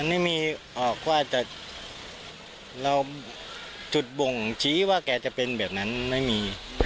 ไม่มีออกว่าจะเราจุดบ่งชี้ว่าแกจะเป็นแบบนั้นไม่มี